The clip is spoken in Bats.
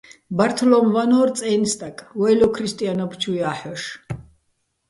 ბართლო́მ ვანორ წაჲნი̆ სტაკ, ვაჲლო ქრისტიანობ ჩუ ჲა́ჰ̦ოშ.